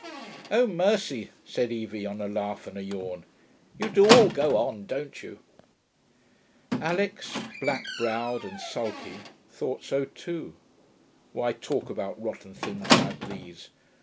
'Oh, mercy,' said Evie, on a laugh and a yawn. 'You do all go on, don't you.' Alix, black browed and sulky, thought so too. Why talk about rotten things like these?